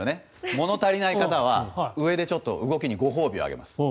物足りない方は、上でちょっと動きにご褒美をあげます。